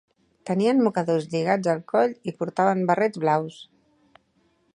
Tenien mocadors lligats al coll i portaven barrets blaus.